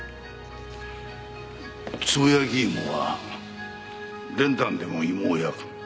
つぼ焼き芋は練炭でも芋を焼く。